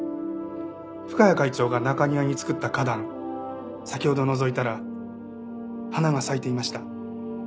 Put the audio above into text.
深谷会長が中庭に作った花壇先ほどのぞいたら花が咲いていました。